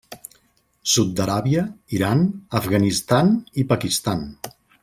Sud d'Aràbia, Iran, Afganistan i Pakistan.